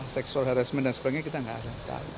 seksual harassment dan sebagainya kita nggak ada